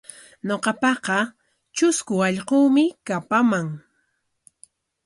Ñuqapaqa trusku allquumi kapaman.